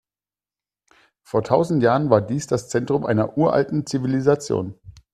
Vor tausend Jahren war dies das Zentrum einer uralten Zivilisation.